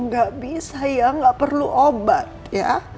gak bisa ya nggak perlu obat ya